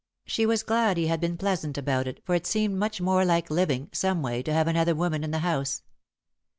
She was glad he had been pleasant about it, for it seemed much more like living, someway, to have another woman in the house.